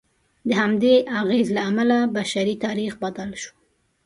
د همدې اغېز له امله بشري تاریخ بدل شو.